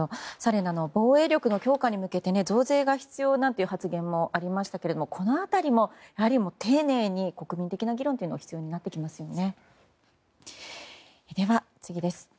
防衛力の強化に向け増税が必要という話もありましたがこの辺りも丁寧に国民への議論が必要になってきますよね。